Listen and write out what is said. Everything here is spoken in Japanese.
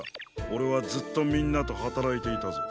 オレはずっとみんなとはたらいていたぞ。